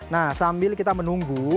nah sambil kita menunggu